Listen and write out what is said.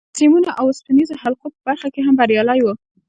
د سیمونو او اوسپنیزو حلقو په برخه کې هم بریالی و